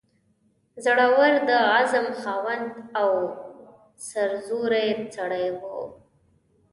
زړه ور، د عزم خاوند او سرزوری سړی وو.